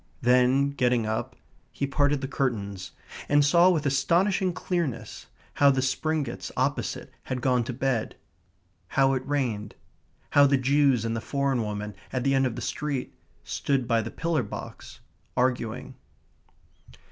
Then, getting up, he parted the curtains, and saw, with astonishing clearness, how the Springetts opposite had gone to bed; how it rained; how the Jews and the foreign woman, at the end of the street, stood by the pillar box, arguing.